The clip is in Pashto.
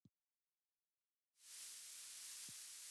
غلا مه کوئ